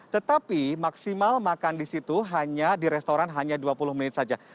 tetapi maksimal makan di situ hanya di restoran hanya dua puluh menit saja